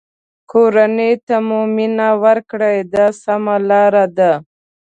کورنۍ ته مو مینه ورکړئ دا سمه لاره ده.